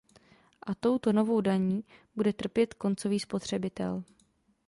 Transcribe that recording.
A touto novou daní bude trpět koncový spotřebitel.